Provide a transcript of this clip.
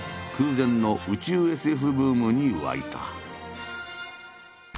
空前の宇宙ＳＦブームに沸いた。